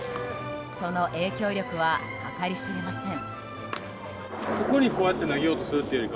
その影響力は計り知れません。